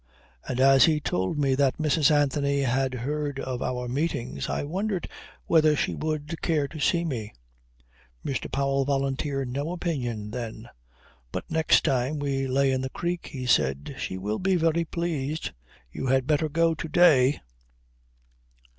And as he told me that Mrs. Anthony had heard of our meetings I wondered whether she would care to see me. Mr. Powell volunteered no opinion then; but next time we lay in the creek he said, "She will be very pleased. You had better go to day."